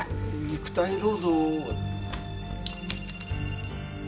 肉体労働。